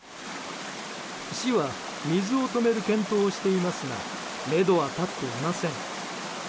市は水を止める検討をしていますがめどは立っていません。